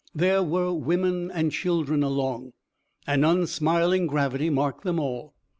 There were women and children along. An unsmiling gravity marked them all.